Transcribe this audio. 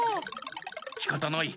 しかたない。